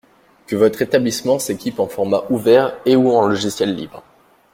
que votre établissement s'équipe en formats ouverts et ou en logiciels libres.